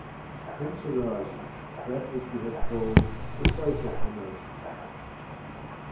Hence arises that which we have called "the social emotions."